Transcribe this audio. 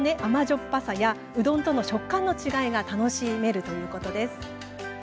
っぱさやうどんとの食感の違いが楽しめるそうです。